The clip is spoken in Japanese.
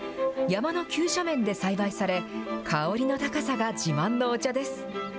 山の急斜面で栽培され、香りの高さが自慢のお茶です。